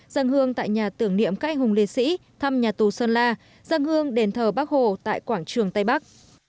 dâng hương tại nhà tưởng niệm cái hùng liên sĩ thăm nhà tù sơn la dâng hương đền thờ bắc hồ tại quảng trường tây bắc